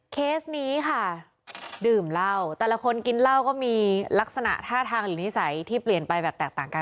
เคสนี้ค่ะดื่มเหล้าแต่ละคนกินเหล้าก็มีลักษณะท่าทางหรือนิสัยที่เปลี่ยนไปแบบแตกต่างกัน